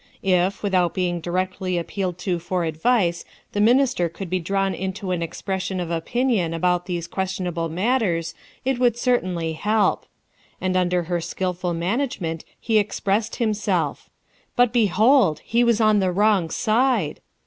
If, without being directly appealed to for advice, the minister could be drawn into an expression of opinion about these questionable matters, it would certainly help; and under her skilful management he expressed himself; but behold, he was on the wrong side!